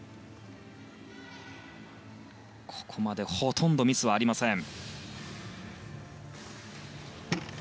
ここまでほとんどミスはありません。